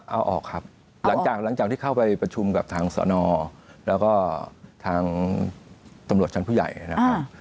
เอาออกครับหลังจากที่เข้าไปประชุมกับทางสนแล้วก็ทางตำรวจชั้นผู้ใหญ่นะครับ